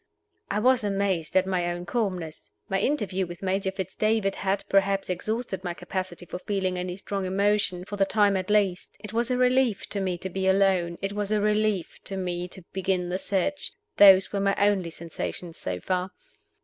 I was amazed at my own calmness. My interview with Major Fitz David had, perhaps, exhausted my capacity for feeling any strong emotion, for the time at least. It was a relief to me to be alone; it was a relief to me to begin the search. Those were my only sensations so far.